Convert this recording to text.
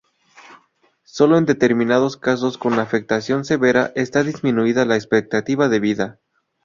Solo en determinados casos con afectación severa está disminuida la expectativa de vida.